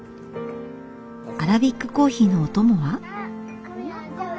アラビックコーヒーのお供は。